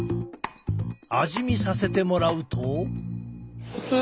味見させてもらうと。